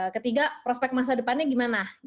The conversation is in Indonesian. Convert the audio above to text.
ketiga prospek masa depannya gimana